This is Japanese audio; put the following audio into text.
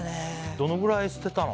どのくらい捨てたの？